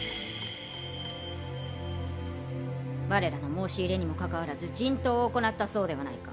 我らの申し入れにもかかわらず人痘を行ったそうではないか！